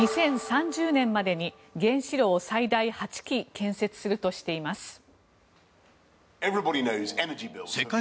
２０３０年までに原子炉を最大８基建設するとしています。